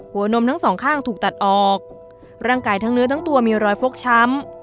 นมทั้งสองข้างถูกตัดออกร่างกายทั้งเนื้อทั้งตัวมีรอยฟกช้ำ